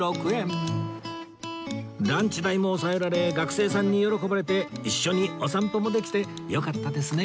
ランチ代も抑えられ学生さんに喜ばれて一緒にお散歩もできてよかったですね